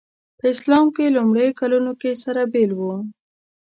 په اسلام لومړیو کلونو کې سره بېل وو.